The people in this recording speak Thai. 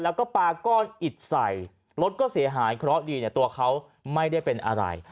แล้วก็ปาก้อนอิดใส่รถก็เสียหายเพราะดีเนี่ยตัวเขาไม่ได้เป็นอะไร